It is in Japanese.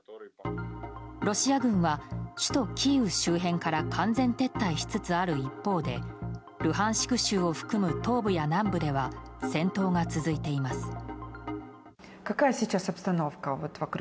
ロシア軍は首都キーウ周辺から完全撤退しつつある一方でルハンシク州を含む東部や南部では戦闘が続いています。